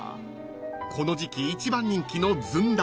［この時季一番人気のずんだ